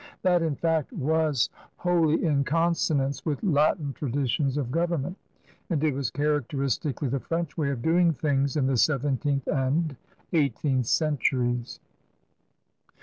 That, in fact, was wholly in consonance with Latin traditions of government, and it was characteristically the French way of doing things in the seventeenth and eighteenth centuries.